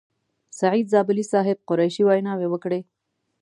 سعید زابلي صاحب، قریشي ویناوې وکړې.